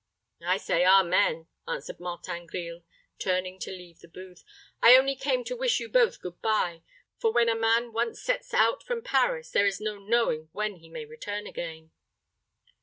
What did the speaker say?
"I say amen," answered Martin Grille, turning to leave the booth; "I only came to wish you both good by; for when a man once sets out from Paris there is no knowing when he may return again."